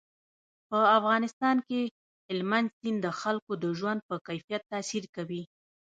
په افغانستان کې هلمند سیند د خلکو د ژوند په کیفیت تاثیر کوي.